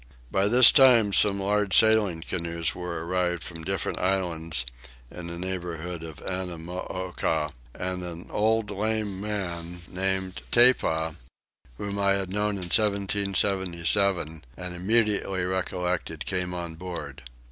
By this time some large sailing canoes were arrived from different islands in the neighbourhood of Annamooka; and an old lame man named Tepa, whom I had known in 1777 and immediately recollected, came on board.